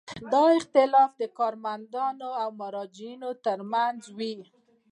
دا اختلاف د کارمندانو او مراجعینو ترمنځ وي.